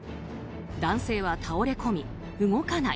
男性は倒れ込み、動かない。